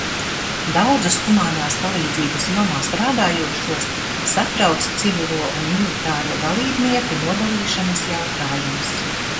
Daudzus humānās palīdzības jomā strādājošos satrauc civilo un militāro dalībnieku nodalīšanas jautājums.